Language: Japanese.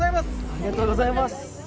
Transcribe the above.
ありがとうございます。